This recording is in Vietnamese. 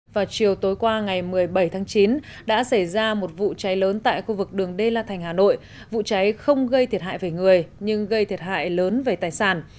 vào chiều tối qua ngày một mươi bảy tháng chín đã xảy ra một vụ cháy lớn tại khu vực đường đê la thành hà nội vụ cháy không gây thiệt hại về người nhưng gây thiệt hại lớn về tài sản